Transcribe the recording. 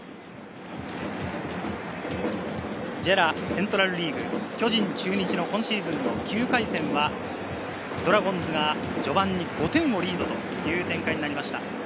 セントラルリーグ、巨人、中日の今シーズンの９回戦は、ドラゴンズが序盤に５点のリードという展開になりました。